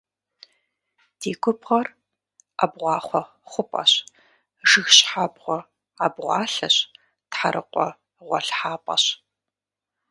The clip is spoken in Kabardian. Ди губгъуэр ӏэбгъахъуэ хъупӏэщ, жыг щхьэбгъуэ абгъуалъэщ, тхьэрыкъуэ гъуэлъхьапӏэщ.